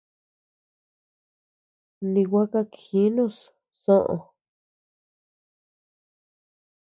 Ni gua kakjinus soʼö.